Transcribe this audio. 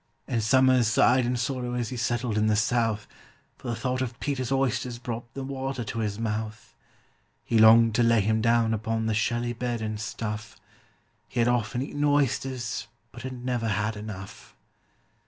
And SOMERS sighed in sorrow as he settled in the south, For the thought of PETER'S oysters brought the water to his mouth. He longed to lay him down upon the shelly bed, and stuff: He had often eaten oysters, but had never had enough.